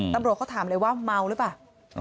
ตำรวจเขาถามเลยว่าเมาหรือเปล่า